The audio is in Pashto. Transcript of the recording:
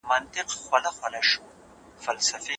په سياست کې د بنسټونو رول ته پام وکړئ.